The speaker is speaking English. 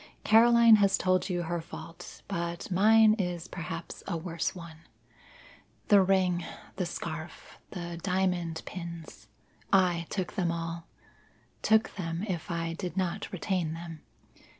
Caroline has told you her fault, but mine is perhaps a worse one. The ring the scarf the diamond pins I took them all took them if I did not retain them.